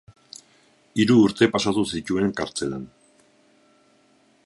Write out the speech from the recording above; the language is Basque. Hiru urte pasatu zituen kartzelan.